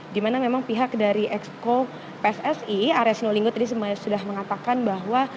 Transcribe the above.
dimana memang pihak dari exco pssi area sinolinggo tadi sudah mengatakan bahwa